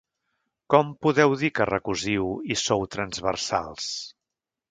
Com podeu dir que recosiu i sou transversals?